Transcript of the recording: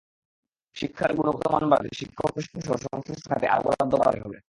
শিক্ষার গুণগত মান বাড়াতে শিক্ষক প্রশিক্ষণসহ সংশ্লিষ্ট খাতে আরও বরাদ্দ বাড়াতে হবে।